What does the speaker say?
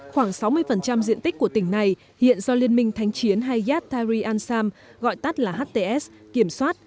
khoảng sáu mươi diện tích của tỉnh này hiện do liên minh thánh chiến hayat tarih ansam gọi tắt là hts kiểm soát